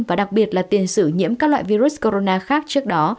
và đặc biệt là tiền sử nhiễm các loại virus corona khác trước đó